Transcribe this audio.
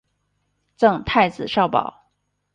赠太子少保。